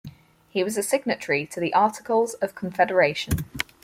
He was a signatory to the Articles of Confederation.